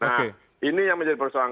nah ini yang menjadi persoalan